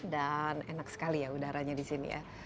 dan enak sekali ya udaranya disini ya